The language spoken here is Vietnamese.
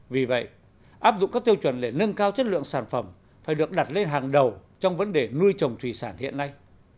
vì vậy áp dụng các tiêu chuẩn để nâng cao chất lượng sản phẩm phải được đặt lên hàng đầu trong vấn đề nuôi trồng thủy sản hiện nay